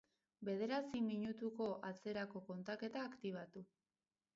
Bederatzi minutuko atzerako kontaketa aktibatu